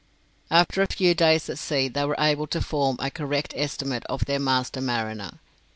After a few days at sea they were able to form a correct estimate of their master mariner.